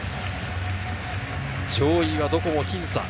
上位はどこも僅差。